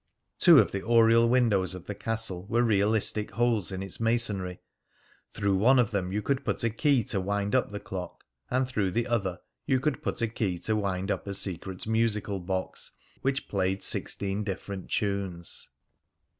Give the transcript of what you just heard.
Two of the oriel windows of the castle were realistic holes in its masonry; through one of them you could put a key to wind up the clock, and through the other you could put a key to wind up a secret musical box which played sixteen different tunes.